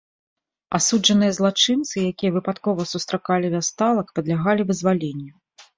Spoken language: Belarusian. Асуджаныя злачынцы, якія выпадкова сустракалі вясталак, падлягалі вызваленню.